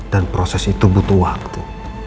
dan proses itu butuh waktu